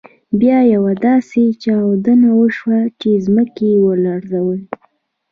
بیا یوه داسې چاودنه وشول چې ځمکه يې ولړزول.